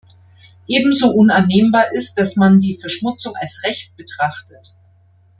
Ebenso unannehmbar ist, dass man die Verschmutzung als Recht betrachtet.